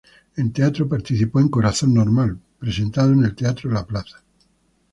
En teatro, participó en "Corazón normal" presentado en el Teatro La Plaza.